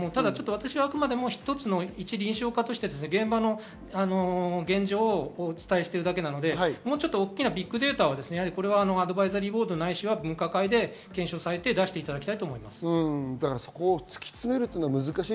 あくまでも一つのいち臨床家として現場の現状をお伝えしているだけなので、大きなビッグデーターはアドバイザリーボードないし分科会で検証されて、出していただきたいと思います。